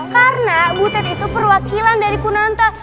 karena butet itu perwakilan dari kunanta